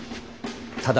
ただ。